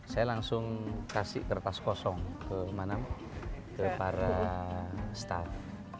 saya langsung kasih kertas kosong ke mana ke para staff